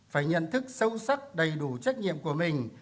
phải nhận thức sâu sắc đầy đủ trách nhiệm của mình